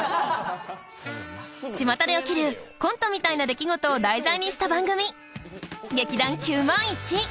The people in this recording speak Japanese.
ちまたで起きるコントみたいな出来事を題材にした番組「劇団９０００１」。